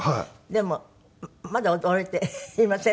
でもまだ驚いていませんね